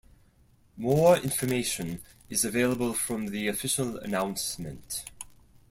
More information is available from the official announcement.